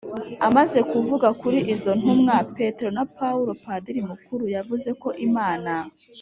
amaze kuvuga kuri izo ntumwa petero na paulo, padiri mukuru yavuze ko imana